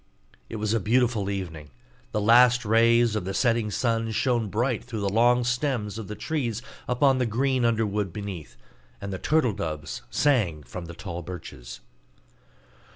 It was a beautiful evening; the last rays of the setting sun shone bright through the long stems of the trees upon the green underwood beneath, and the turtle doves sang from the tall birches.